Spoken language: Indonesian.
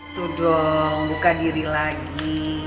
tuh dong buka diri lagi